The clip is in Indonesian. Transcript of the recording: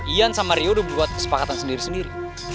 ian sama rio udah buat kesepakatan sendiri sendiri